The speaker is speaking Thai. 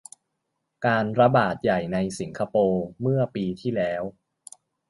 การระบาดใหญ่ในสิงคโปร์ เมื่อปีที่แล้ว